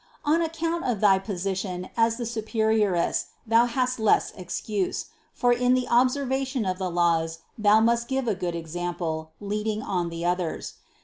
On account of thy position as superioress thou hast less excuse; for in the observation of the laws thou must give a good example, leading on the others.